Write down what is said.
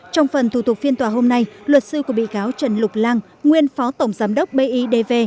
trong phần thủ tục phiên tòa hôm nay luật sư của bị cáo trần lục lan nguyên phó tổng giám đốc bidv